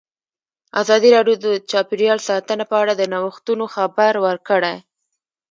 ازادي راډیو د چاپیریال ساتنه په اړه د نوښتونو خبر ورکړی.